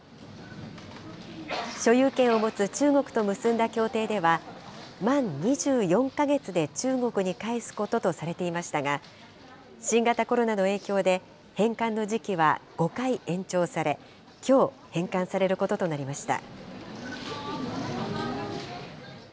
所有権を持つ中国と結んだ協定では、満２４か月で中国に返すこととされていましたが、新型コロナの影響で、返還の時期は５回延長され、きょう、返還されることとなりました。